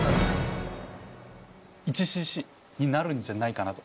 １ｃｃになるんじゃないかなと。